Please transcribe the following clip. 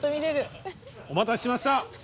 お待たせしました。